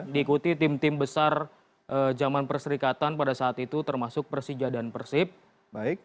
diikuti tim tim besar zaman perserikatan pada saat itu termasuk persija dan persib